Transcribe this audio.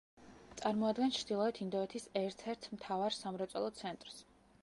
წარმოადგენს ჩრდილოეთ ინდოეთის ერთ-ერთ მთავარ სამრეწველო ცენტრს.